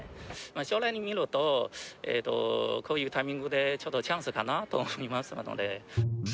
将来的に見ると、こういうタイミングでちょっとチャンスかなと思いましたので。